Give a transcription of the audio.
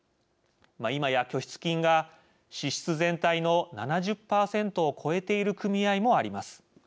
今や拠出金が支出全体の７０％を超えている組合もあります。